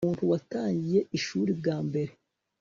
umuntu watangije ishuri bwambere